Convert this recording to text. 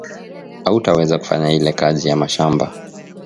Autaweza kufanya ile kaji ya mashamba